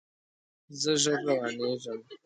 زه ژر روانیږم